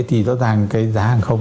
thì rõ ràng cái giá hàng không